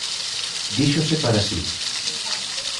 Díxose para si: